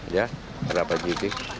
ya berapa nyidik